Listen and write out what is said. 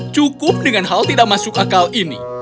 cukup dengan hal tidak masuk akal ini